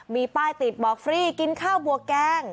มีป้ายติดบอกฟรีกินข้าวบวกแกง